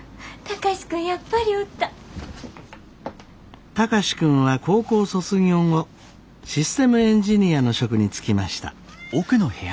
貴司君は高校卒業後システムエンジニアの職に就きました。